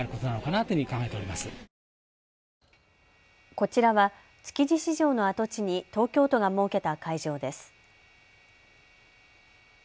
こちらは築地市場の跡地に東京都が設けた会場です。